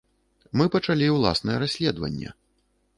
Мы пачалі ўласнае расследаванне.